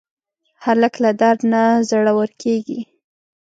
هلک له درده نه زړور کېږي.